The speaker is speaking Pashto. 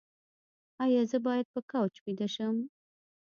ایا زه باید په کوچ ویده شم؟